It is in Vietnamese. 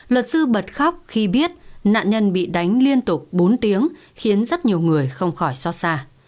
luật sư bật khóc khi biết nạn nhân bị đánh liên tục bốn tiếng khiến rất nhiều người không khỏi xót xa